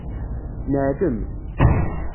Neɛlem.